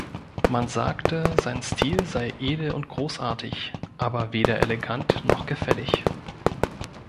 Man sagte, sein Stil sei edel und großartig, aber weder elegant noch gefällig.